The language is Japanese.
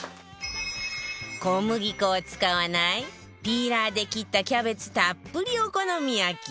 小麦粉を使わないピーラーで切ったキャベツたっぷりお好み焼き